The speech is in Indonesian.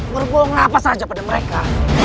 berbohong apa saja pada mereka